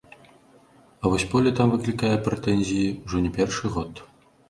А вось поле там выклікае прэтэнзіі ўжо не першы год.